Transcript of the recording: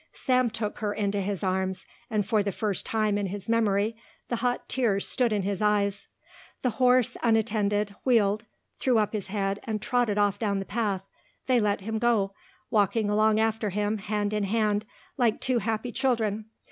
Sam took her into his arms and for the first time in his memory the hot tears stood in his eyes. The horse, unattended, wheeled, threw up his head and trotted off down the path. They let him go, walking along after him hand in hand like two happy children.